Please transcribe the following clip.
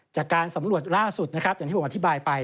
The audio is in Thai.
จากการสำรวจล่าสุดนะครับอย่างที่ผมอธิบายไป